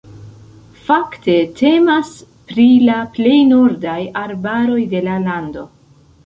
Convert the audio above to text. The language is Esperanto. Fakte temas pri la plej nordaj arbaroj de la lando.